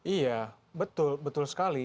iya betul betul sekali